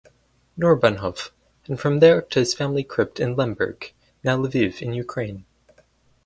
Nordbahnhof and from there to his family crypt in Lemberg (now Lviv in Ukraine).